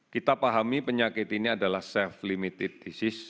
kita pahami penyakit ini adalah self limited disease